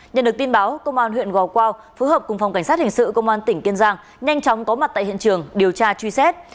nhận được tin báo công an huyện gò quao phối hợp cùng phòng cảnh sát hình sự công an tỉnh kiên giang nhanh chóng có mặt tại hiện trường điều tra truy xét